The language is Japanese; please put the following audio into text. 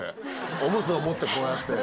おむつを持ってこうやって。